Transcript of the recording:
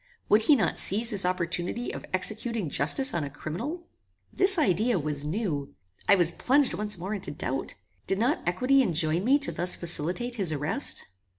Would he not seize this opportunity of executing justice on a criminal? This idea was new. I was plunged once more into doubt. Did not equity enjoin me thus to facilitate his arrest?